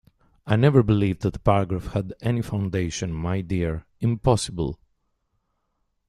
I never believed that the paragraph had any foundation, my dear — impossible.